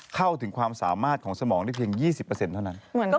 เข้าถึงความสามารถของสมองได้เพียง๒๐เท่านั้น